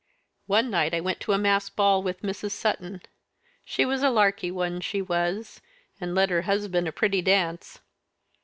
"One night I went to a masked ball with Mrs. Sutton she was a larky one, she was, and led her husband a pretty dance.